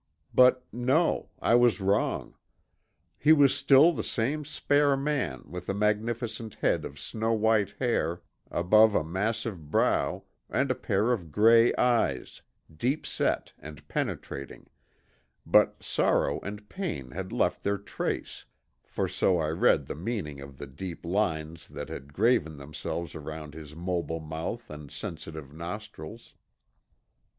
But, no, I was wrong. He was still the same spare man with a magnificent head of snow white hair above a massive brow and a pair of gray eyes, deep set and penetrating, but sorrow and pain had left their trace, for so I read the meaning of the deep lines that had graven themselves around his mobile mouth and sensitive nostrils.